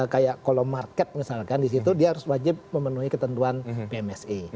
kayak kalau market misalkan di situ dia harus wajib memenuhi ketentuan bmse